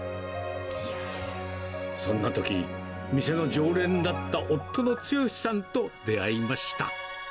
そんなとき、店の常連だった夫の剛さんと出会いました。